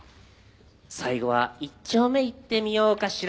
最後は一丁目いってみようかしら。